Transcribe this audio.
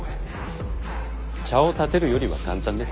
茶をたてるよりは簡単です。